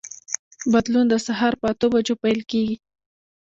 بدلون د سهار په اته بجو پیل کېږي.